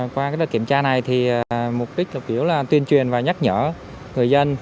qua cái đợt kiểm tra này thì mục đích là tuyên truyền và nhắc nhở người dân